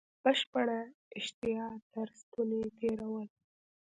بشپړه اشتها تر ستوني تېرول.